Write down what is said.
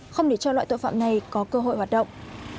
không để cho loại tội phạm này có cơ hội hoạt động